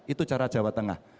itu cara jawa tengah